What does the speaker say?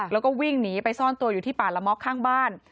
แล้วก็วิ่งหนีไปซ่อนตัวอยู่ที่ป่าละมะข้างบ้าน